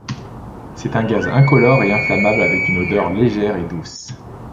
C'est un gaz incolore et inflammable, avec une odeur légère et douce.